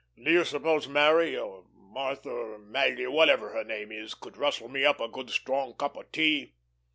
Do you suppose Mary, or Martha, or Maggie, or whatever her name is, could rustle me a good strong cup of tea.